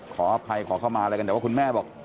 ขออภัยขอเข้ามาอะไรกันแต่ว่าคุณแม่บอก